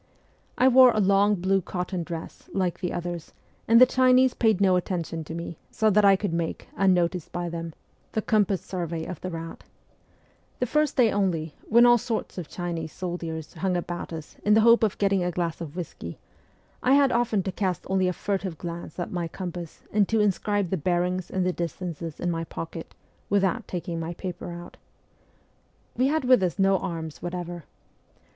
I wore a long blue cotton dress, like the others, and the Chinese paid no attention to me, so that I could make, unnoticed by them, the compass survey of the route. The first day only, when all sorts of Chinese soldiers hung about us in the hope of getting a glass of whisky, I had often to cast only a furtive glance at my compass and to inscribe the bearings and the distances in my pocket, without taking my paper out. "We had with us no arms whatever.